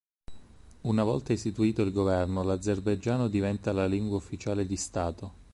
Una volta istituito il governo, l'azerbaigiano diventa la lingua ufficiale di stato.